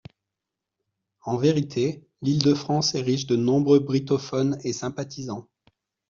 En vérité, l’Île-de-France est riche de nombreux brittophones et sympathisants.